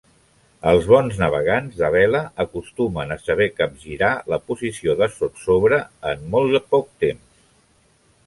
Els bons navegants de vela acostumen a saber capgirar la posició de sotsobre en molt poc temps.